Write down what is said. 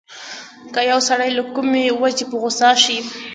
که يو سړی له کومې وجې په غوسه شي.